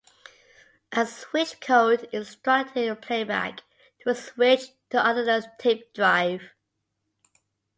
A "switch code" instructed the playback to switch to the other tape drive.